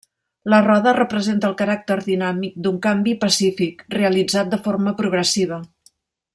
La roda representa el caràcter dinàmic d'un canvi pacífic, realitzat de forma progressiva.